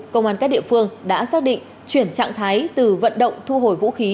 công an các địa phương đã xác định chuyển trạng thái từ vận động thu hồi vũ khí